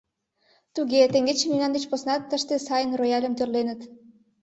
Туге, теҥгече мемнан деч поснат тыште сайын рояльым тӧрленыт.